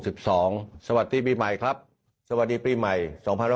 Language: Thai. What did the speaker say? สิบสองสวัสดีปีใหม่ครับสวัสดีปีใหม่สองพันห้าร้อย